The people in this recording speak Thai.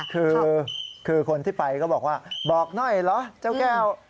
คือคนที่ไปก็บอกว่าบอกหน่อยเหรอเจ้าแก้ว